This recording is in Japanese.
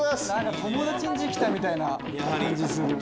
友達ん家来たみたいな感じする。